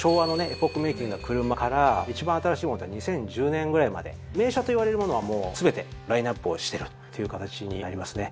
エポックメイキングの車から一番新しい物だったら２０１０年ぐらいまで名車といわれる物はもう全てラインアップをしてるっていう形になりますね。